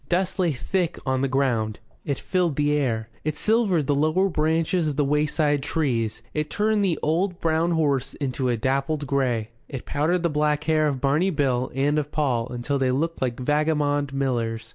Dust lay thick on the ground, it filled the air, it silvered the lower branches of the wayside trees, it turned the old brown horse into a dappled grey, it powdered the black hair of Barney Bill and of Paul until they looked like vagabond millers.